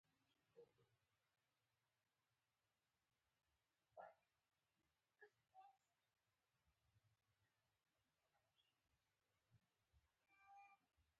د سیاسي فرهنګ له مخې د قیامت سمبول دی.